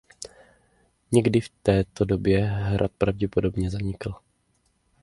Někdy v této době hrad pravděpodobně zanikl.